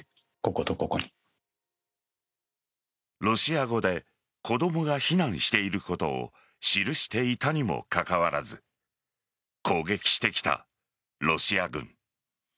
ロシア語で子供が避難していることを記していたにもかかわらず攻撃してきたロシア軍。